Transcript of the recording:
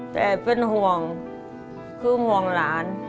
แต่เป็นห่วงคือห่วงหลาน